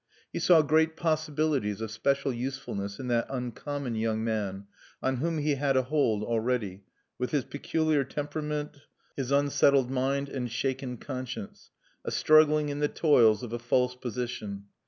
He saw great possibilities of special usefulness in that uncommon young man on whom he had a hold already, with his peculiar temperament, his unsettled mind and shaken conscience, a struggling in the toils of a false position....